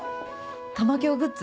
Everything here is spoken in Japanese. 玉響グッズ？